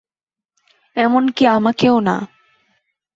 এমনকি আমাকেও না।